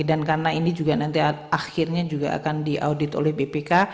dan karena ini juga nanti akhirnya juga akan diaudit oleh bpk